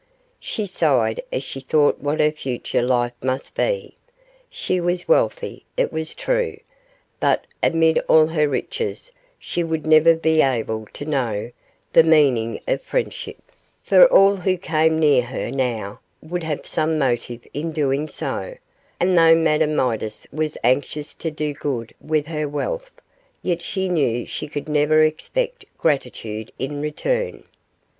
She sighed as she thought what her future life must be. She was wealthy, it was true, but amid all her riches she would never be able to know the meaning of friendship, for all who came near her now would have some motive in doing so, and though Madame Midas was anxious to do good with her wealth, yet she knew she could never expect gratitude in return.